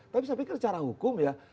tapi saya pikir secara hukum ya